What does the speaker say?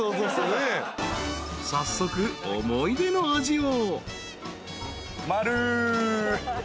［早速思い出の味を］